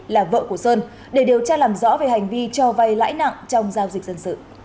là vợ của sơn để điều tra làm rõ về hành vi cho vay lãi nặng trong giao dịch